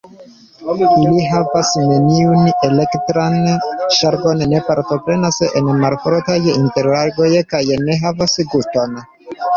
Ili havas neniun elektran ŝargon, ne partoprenas en malfortaj interagoj kaj ne havas guston.